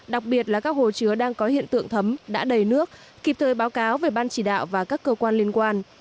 đặc biệt là các hồ chứa đang có hiện tượng thấm đã đầy nước kịp thời báo cáo về ban chỉ đạo và các cơ quan liên quan